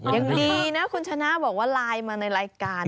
ยังดีนะคุณชนะบอกว่าไลน์มาในรายการ